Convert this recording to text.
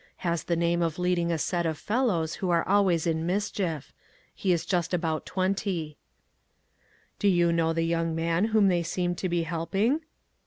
Has the name of leading a set of fellows who are always in mischief. He is just about twenty." " Do you know the young man whom they seem to be helping